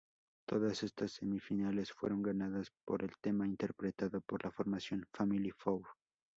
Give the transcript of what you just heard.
Todas estas semifinales fueron ganadas por el tema interpretado por la formación "Family Four".